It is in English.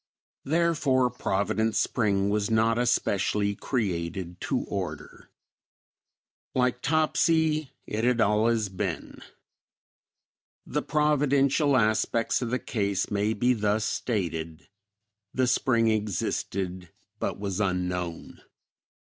Therefore Providence Spring was not especially created to order. Like Topsy, it had "allus" been. The providential aspects of the case may be thus stated; the spring existed, but was unknown.